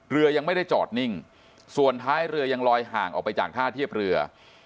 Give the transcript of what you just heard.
เรือยังไม่ได้จอดนิ่งส่วนท้ายเรือยังลอยห่างออกไปจากท่าเทียบเรือ